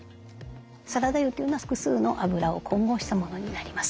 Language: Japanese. サラダ油というのは複数のあぶらを混合したものになります。